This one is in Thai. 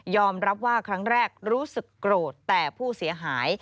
รับว่าครั้งแรกรู้สึกโกรธแต่ผู้เสียหาย